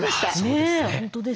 そうですね。